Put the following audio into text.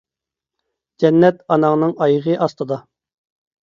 جەننەت ئاناڭنىڭ ئايىغى ئاستىدا.